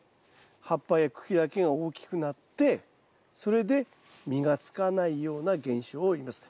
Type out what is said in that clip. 葉っぱや茎だけが大きくなってそれで実がつかないような現象をいいます。